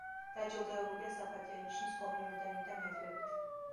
დაჯილდოებულია „საპატიო ნიშნის“ ორი ორდენით და მედლებით.